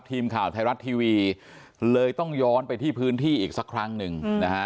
ทีมข่าวไทยรัฐทีวีเลยต้องย้อนไปที่พื้นที่อีกสักครั้งหนึ่งนะฮะ